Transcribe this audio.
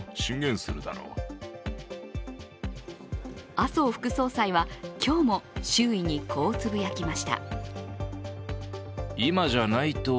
麻生副総理は今日も周囲にこうつぶやきました。